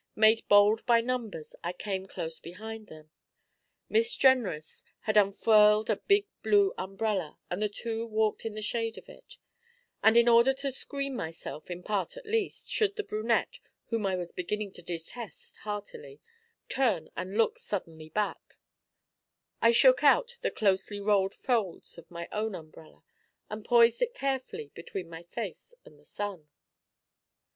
Made bold by numbers, I came close behind them. Miss Jenrys had unfurled a big blue umbrella, and the two walked in the shade of it; and in order to screen myself, in part at least, should the brunette, whom I was beginning to detest heartily, turn and look suddenly back, I shook out the closely rolled folds of my own umbrella and poised it carefully between my face and the sun.